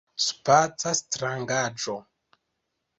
Spaca Strangaĵo!